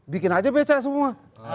bikin aja bca semua